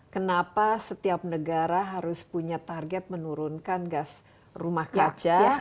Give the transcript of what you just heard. kenapa setiap negara harus punya target menurunkan gas rumah kaca